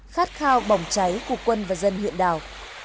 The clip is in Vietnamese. khát khao bỏng cháy của quân và dân huyện đảo